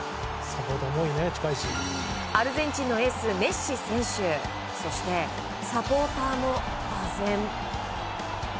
アルゼンチンのエースメッシ選手そしてサポーターもあぜん。